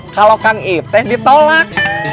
kalau kang iipte ditolak